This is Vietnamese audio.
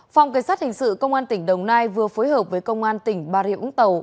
phòng cảnh sát hình sự công an tỉnh đồng nai vừa phối hợp với công an tỉnh bà rịa úng tàu